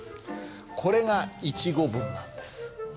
これが一語文なんです。